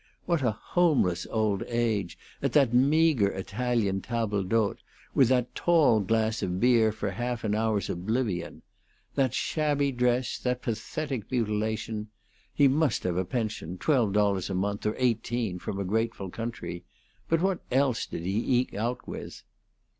What a homeless old age at that meagre Italian table d'hote, with that tall glass of beer for a half hour's oblivion! That shabby dress, that pathetic mutilation! He must have a pension, twelve dollars a month, or eighteen, from a grateful country. But what else did he eke out with?